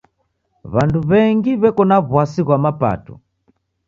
W'andu w'engi w'eko na w'asi ghwa mapato.